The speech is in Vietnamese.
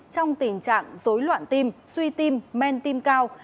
trong tình trạng dối loạn tim suy tim men tim cao